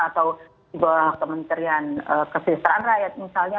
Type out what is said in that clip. atau di bawah kementerian kesejahteraan rakyat misalnya